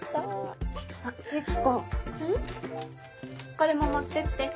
これも持ってって。